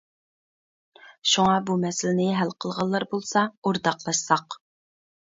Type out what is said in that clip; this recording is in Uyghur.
شۇڭا بۇ مەسىلىنى ھەل قىلغانلار بولسا ئورتاقلاشساق.